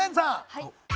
はい。